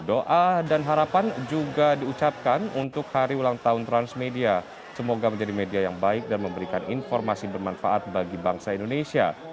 doa dan harapan juga diucapkan untuk hari ulang tahun transmedia semoga menjadi media yang baik dan memberikan informasi bermanfaat bagi bangsa indonesia